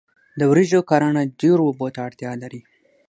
د وریجو کرنه ډیرو اوبو ته اړتیا لري.